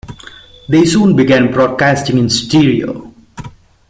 They soon began broadcasting in stereo.